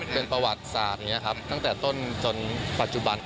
เป็นประวัติศาสตร์อย่างนี้ครับตั้งแต่ต้นจนปัจจุบัน